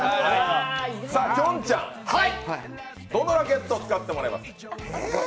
きょんちゃん、どのラケットを使ってやりますか？